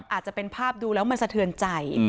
อาจจะเป็นภาพดูแล้วมันสะเทือนใจ